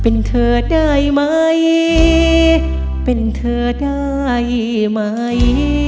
เป็นเธอได้มั้ยเป็นเธอได้มั้ย